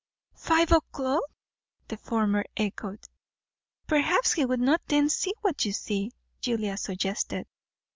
"Five o'clock!" the former echoed. "Perhaps he would not then see what you see," Julia suggested.